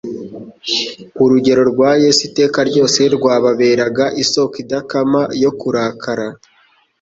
Urugero rwa Yesu, iteka ryose, rwababeraga isoko idakama yo kurakara.